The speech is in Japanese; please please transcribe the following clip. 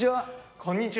こんにちは。